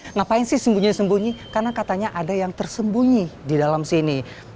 nggak apa apa sih sembunyi sembunyi karena katanya ada yang tersembunyi di dalam sini